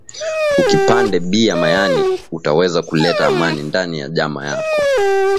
Uki pande bia mayani uta weza ku leta Amani ndani ya jama yako